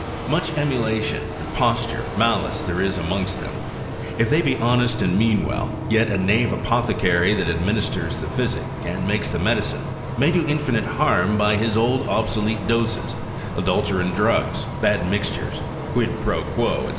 Much emulation, imposture, malice, there is amongst them: if they be honest and mean well, yet a knave apothecary that administers the physic, and makes the medicine, may do infinite harm, by his old obsolete doses, adulterine drugs, bad mixtures, quid pro quo, &c.